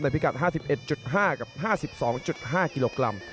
ในภูเขียด๕๑๕๒กับ๕๒๕กิโลกรัม